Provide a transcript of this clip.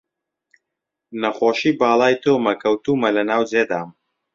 نەخۆشی باڵای تۆمە، کەوتوومە لە ناو جێدام